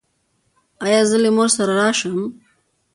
ایا زه له مور سره راشم؟